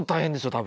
多分。